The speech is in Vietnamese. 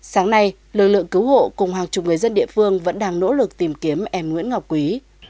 sáng nay lực lượng cứu hộ cùng hàng chục người dân địa phương vẫn đang nỗ lực tìm kiếm em nguyễn ngọc quý